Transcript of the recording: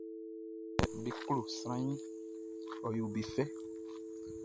Kɛ be klo sranʼn, ɔ yo be fɛ.